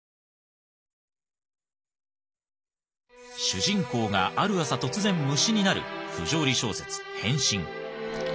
主人公がある朝突然虫になる不条理小説「変身」。